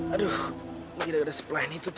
aduh gila gila sepah ini tuh